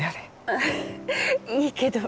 あいいけど。